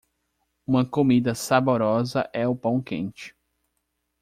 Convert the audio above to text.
Uma comida saborosa é o pão quente.